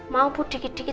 mau bu dikit dikit